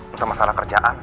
untuk masalah kerjaan